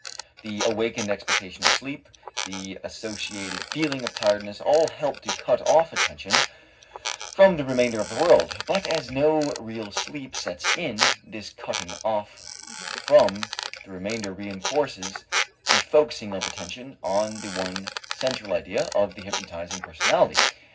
The awakened expectation of sleep, the associated feeling of tiredness all help to cut off attention from the remainder of the world, but as no real sleep sets in, this cutting off from the remainder reënforces the focusing of attention on the one central idea of the hypnotizing personality.